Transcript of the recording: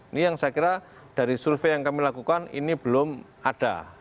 ini yang saya kira dari survei yang kami lakukan ini belum ada